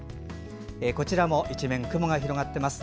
こちらも一面雲が広がっています。